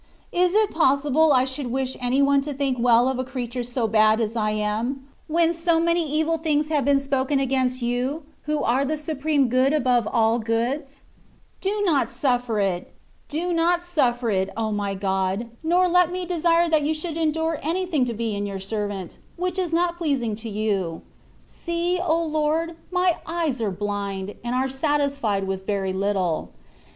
Is it possible I should wish any one to think well of a creature so bad as I am, when so THB WAY OF PERFECTION. 71 many evil things have been spoken against You, who are the supreme Good above aU goods ? Do not suffer it, do not sufifer it, O my God ! nor let me desire that You should endure anything to be in your servant, which is not pleasing to you. See, O Lord ! my eyes are bUnd, and are satisfied with very little.